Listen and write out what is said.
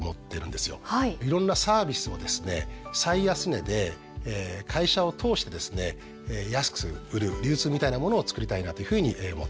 いろんなサービスをですね最安値で会社を通してですね安く売る流通みたいなものをつくりたいなというふうに思ってます。